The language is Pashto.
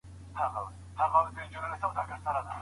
خوښي د زده کړي کچه لوړوي.